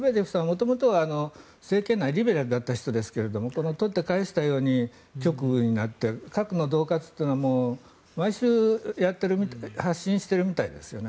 元々は政権内でリベラルだった人ですが取って返したように極右になって核のどう喝というのは毎週発信してるみたいですね。